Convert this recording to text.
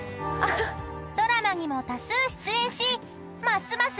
［ドラマにも多数出演しますます